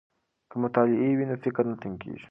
که مطالعه وي نو فکر نه تنګیږي.